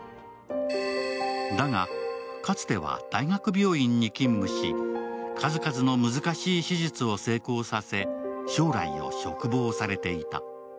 だが、かつては大学病院に勤務し数々の難しい手術を成功させ将来を嘱望されていた。